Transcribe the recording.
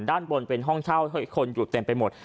ด้านบนเป็นห้องเช่าเฮ้ยคนอยู่เต็มไปหมด